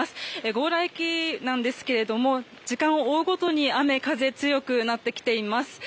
強羅駅なんですが時間を追うごとに雨風、強くなってきています。